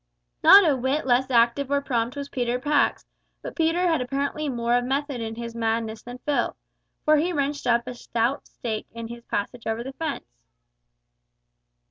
Not a whit less active or prompt was Peter Pax, but Peter had apparently more of method in his madness than Phil, for he wrenched up a stout stake in his passage over the fence.